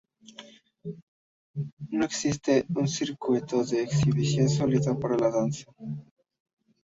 No existe un circuito de exhibición sólido para la danza.